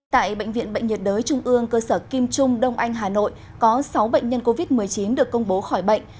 tại bệnh viện bệnh nhiệt đới trung ương cơ sở kim trung đông anh hà nội có sáu bệnh nhân covid một mươi chín được công bố khỏi bệnh